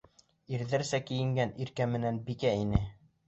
Ирҙәрсә кейенгән Иркә менән Бикә инә.